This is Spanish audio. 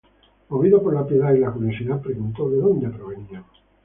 Movido por la piedad y la curiosidad preguntó de dónde provenían.